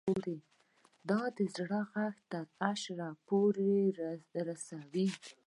دا د زړه غږ تر عرشه پورې رسوي